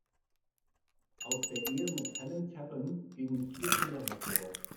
Aus der Ehe mit Helen Tappan gingen vier Kinder hervor.